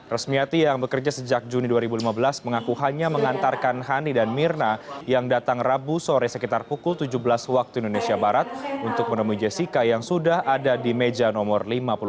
resmiati yang bekerja sejak juni dua ribu lima belas mengaku hanya mengantarkan hani dan mirna yang datang rabu sore sekitar pukul tujuh belas waktu indonesia barat untuk menemui jessica yang sudah ada di meja nomor lima puluh empat